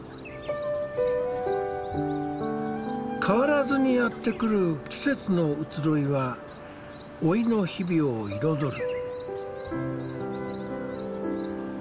変わらずにやってくる季節の移ろいは老いの日々を彩る。